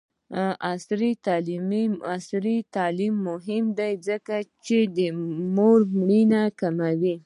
عصري تعلیم مهم دی ځکه چې د مور مړینه کموي.